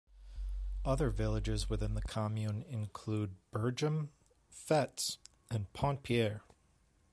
Other villages within the commune include Bergem, Foetz, and Pontpierre.